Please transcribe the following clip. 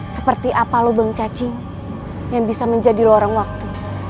seperti apa lubang caci yang bisa menjadi lorong waktu